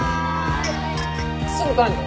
すぐ帰んの？